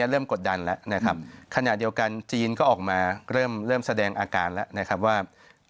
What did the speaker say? กดดันแล้วนะครับขณะเดียวกันจีนก็ออกมาเริ่มเริ่มแสดงอาการแล้วนะครับว่า